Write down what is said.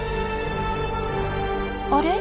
あれ？